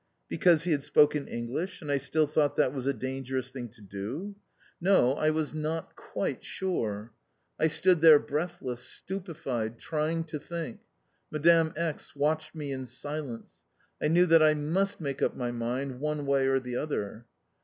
Because he had spoken English and I still thought that was a dangerous thing to do. No, I was not quite sure. I stood there breathless, stupefied, trying to think. Madame X. watched me in silence. I knew that I must make up my mind one way or the other.